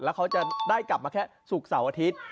แล้วเขาจะได้กลับมาแค่ศุกร์เสาร์อาทิตย์